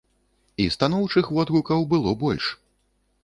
І станоўчых водгукаў было больш.